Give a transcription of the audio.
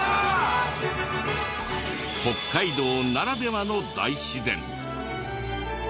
北海道ならではの大自然。